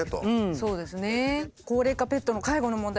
そうですね。